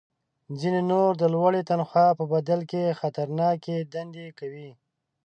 ځینې نور د لوړې تنخوا په بدل کې خطرناکې دندې کوي